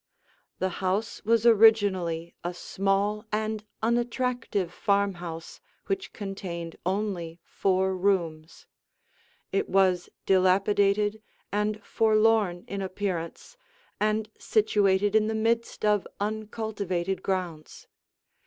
The house was originally a small and unattractive farmhouse which contained only four rooms; it was dilapidated and forlorn in appearance and situated in the midst of uncultivated grounds.